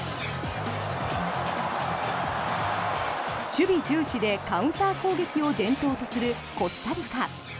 守備重視でカウンター攻撃を伝統とするコスタリカ。